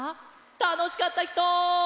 たのしかったひと！